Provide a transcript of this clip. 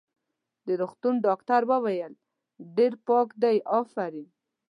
د روغتون ډاکټر وویل: ډېر پاک دی، افرین.